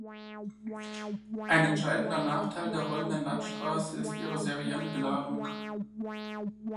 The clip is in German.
Ein entscheidender Nachteil der Rollenden Landstraße ist ihre serielle Beladung.